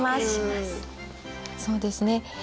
そうですね